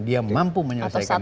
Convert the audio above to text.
dia mampu menyelesaikan